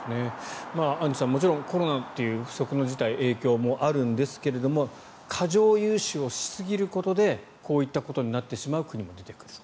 アンジュさん、もちろんコロナという不測の事態の影響もあるんですが過剰融資をしすぎることでこういったことになってしまう国も出てくる。